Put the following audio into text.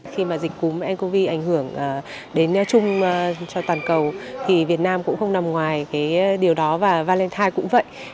khi mà dịch covid một mươi chín ảnh hưởng đến chung cho toàn cầu thì việt nam cũng không nằm ngoài điều đó và valentine cũng vậy